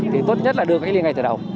thì tốt nhất là đưa cái liên ngay từ đầu